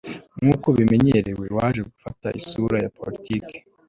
nkuko bimenyerewe waje gufata isura ya politiki